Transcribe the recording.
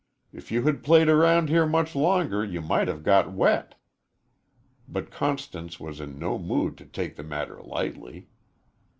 If you had played around here much longer you might have got wet." But Constance was in no mood to take the matter lightly.